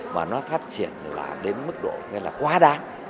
mà nó phát triển là đến mức độ quá đáng